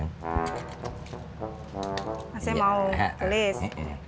masih mau tulis